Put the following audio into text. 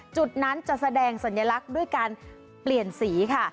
จุดนั้นจะแสดงสัญลักษณ์ด้วยการเปลี่ยนสีค่ะ